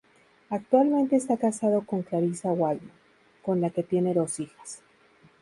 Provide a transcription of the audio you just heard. Actualmente está casado con Clarisa Waldman, con la que tiene dos hijas.